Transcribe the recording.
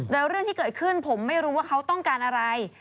โดยเรื่องที่เกิดขึ้นผมไม่รู้ว่าเขาต้องการอะไร